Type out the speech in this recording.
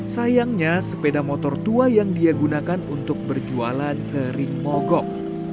sayangnya sepeda motor tua yang dia gunakan untuk berjualan sering mogok